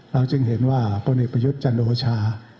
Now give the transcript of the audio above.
เราจึงเห็นว่าปนิปยุทธ์จะโนชา